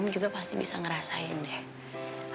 juga pasti bisa ngerasain deh